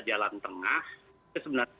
jalan tengah itu sebenarnya